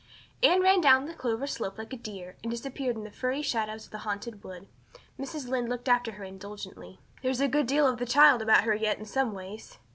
Anne ran down the clover slope like a deer, and disappeared in the firry shadows of the Haunted Wood. Mrs. Lynde looked after her indulgently. "There's a good deal of the child about her yet in some ways."